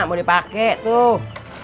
mau dipake tuh